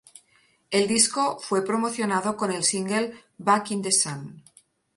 El disco fue promocionado con el single "Back in the Sun".